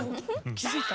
気づいた。